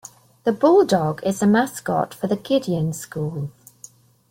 The bulldog is the mascot for the Gideon schools.